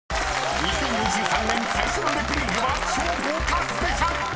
［２０２３年最初の『ネプリーグ』は超豪華スペシャル！］